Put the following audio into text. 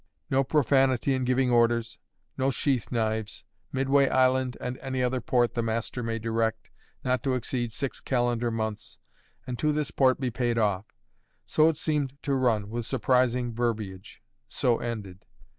No profanity in giving orders, no sheath knives, Midway Island and any other port the master may direct, not to exceed six calendar months, and to this port to be paid off: so it seemed to run, with surprising verbiage; so ended.